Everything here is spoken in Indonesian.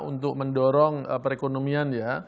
untuk mendorong perekonomian ya